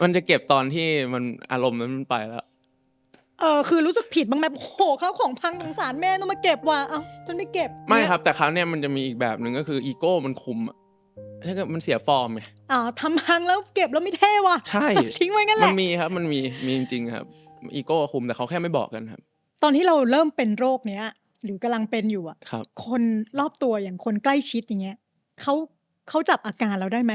มันกระทั่งตอนเนี้ยมันกระทั่งตอนเนี้ยมันกระทั่งตอนเนี้ยมันกระทั่งตอนเนี้ยมันกระทั่งตอนเนี้ยมันกระทั่งตอนเนี้ยมันกระทั่งตอนเนี้ยมันกระทั่งตอนเนี้ยมันกระทั่งตอนเนี้ยมันกระทั่งตอนเนี้ยมันกระทั่งตอนเนี้ยมันกระทั่งตอนเนี้ยมันกระทั่งตอนเนี้ยมันกระทั่งตอนเนี้ยมันกระทั่งตอนเนี้ยมันกระทั่งตอนเ